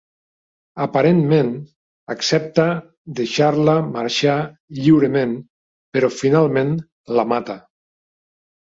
Aparentment accepta deixar-la marxar lliurement, però finalment la mata.